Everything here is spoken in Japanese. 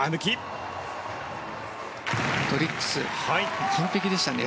ドリッグス完璧でしたね。